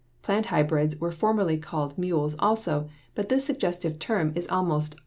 Plant hybrids were formerly called mules also, but this suggestive term is almost out of use.